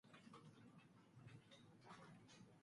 扫描二维码关注我们。